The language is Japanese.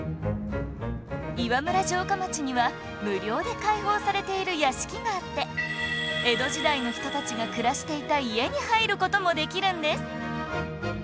岩村城下町には無料で開放されている屋敷があって江戸時代の人たちが暮らしていた家に入る事もできるんです